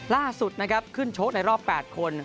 ล่าสุดนะครับขึ้นโชคในรอบ๘คน